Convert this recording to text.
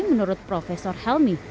menurut prof helmi